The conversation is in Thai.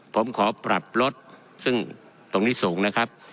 ผมขอปรับลดซึ่งตรงนี้สูงนะครับ